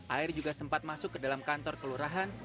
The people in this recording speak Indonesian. air juga sempat masuk ke dalam kantor kelurahan